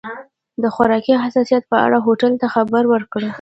د خوراکي حساسیت په اړه هوټل ته خبر ورکړه.